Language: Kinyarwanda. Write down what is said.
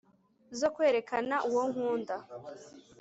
zo kwerekaana uwo nkunda